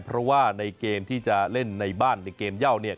เพราะว่าในเกมที่จะเล่นในบ้านในเกมเย่าเนี่ย